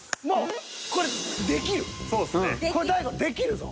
もうこれできる。